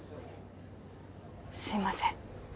すいません